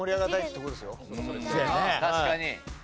確かに。